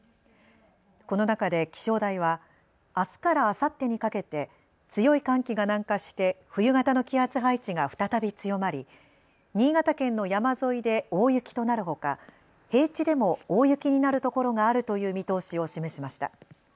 この中で気象台はあすからあさってにかけて強い寒気が南下して冬型の気圧配置が再び強まり新潟県の山沿いで大雪となるほか平地でも大雪になる所があるという見通しを示しました。